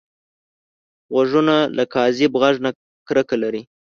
غوږونه له کاذب غږ نه کرکه لري